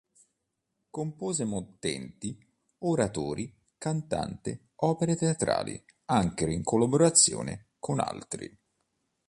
Compose mottetti, oratori, cantate, opere teatrali, anche in collaborazione con altri.